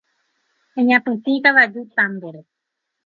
Eñapytĩ kavaju támbore.